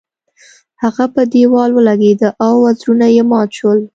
هغه په دیوال ولګیده او وزرونه یې مات شول.